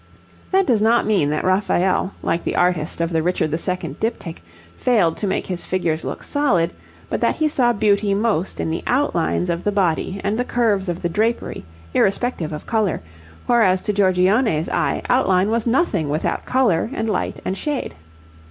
That does not mean that Raphael, like the artist of the Richard II. diptych, failed to make his figures look solid, but that he saw beauty most in the outlines of the body and the curves of the drapery, irrespective of colour, whereas to Giorgione's eye outline was nothing without colour and light and shade.